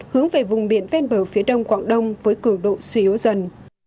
hướng về vùng biển ven bờ phía đông quảng đông với cường độ suy yếu dần